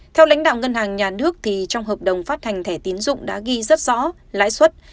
theo lãnh đạo ngân hàng nhà nước trong hợp đồng phát hành thẻ tiến dụng đã ghi rất rõ lãi suất